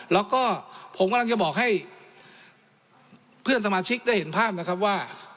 แล้วก็ผมกำลังจะบอกให้เพื่อนสมาชิกได้เห็นภาพนะครับว่า